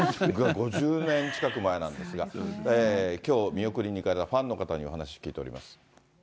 ５０年近く前なんですが、きょう見送りに行かれたファンの方にお話を聞いております。